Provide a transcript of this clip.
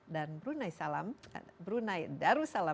dan brunei darussalam